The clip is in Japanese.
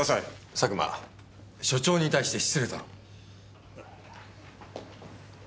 佐久間署長に対して失礼だろ。